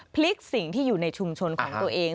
พลิกสิ่งที่อยู่ในชุมชนของตัวเอง